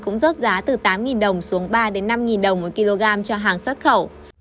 cũng rớt giá từ tám đồng xuống ba năm đồng một kg cho hàng xuất khẩu